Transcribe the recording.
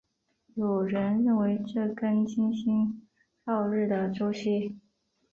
有人认为这跟金星绕日的周期。